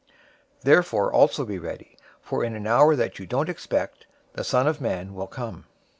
024:044 Therefore also be ready, for in an hour that you don't expect, the Son of Man will come.